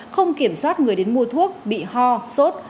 không kiểm soát người đến mua thuốc bị ho sốt